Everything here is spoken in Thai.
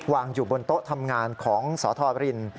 อยู่บนโต๊ะทำงานของสธบริน